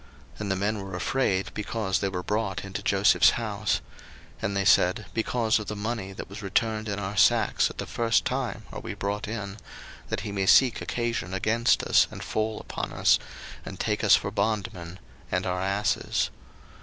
01:043:018 And the men were afraid, because they were brought into Joseph's house; and they said, Because of the money that was returned in our sacks at the first time are we brought in; that he may seek occasion against us, and fall upon us, and take us for bondmen, and our asses.